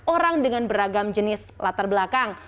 orang dengan beragam jenis latar belakang